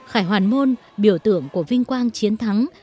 khải hoàn môn biểu tượng của vinh quang chiến thắng